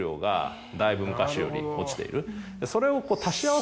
それを。